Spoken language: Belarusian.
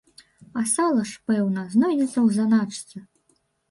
А сала ж, пэўна, знойдзецца ў заначцы.